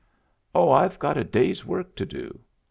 " Oh, Fve got a day's work to do."